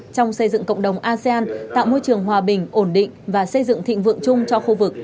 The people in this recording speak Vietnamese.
trong xây dựng cộng đồng asean tạo môi trường hòa bình ổn định và xây dựng thịnh vượng chung cho khu vực